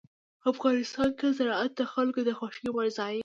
افغانستان کې زراعت د خلکو د خوښې وړ ځای دی.